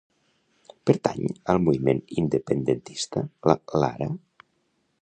Pertanyal moviment independentista la Lara?